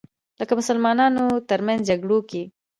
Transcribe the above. لکه مسلمانانو تر منځ جګړو کې